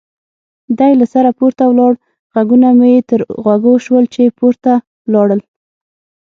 دی له سره پورته ولاړ، غږونه مې یې تر غوږو شول چې پورته ولاړل.